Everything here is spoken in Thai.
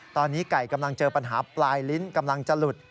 ตอนนี้ไก่กำลังเจอปัญหาปลายลิ้นกำลังจะหลุด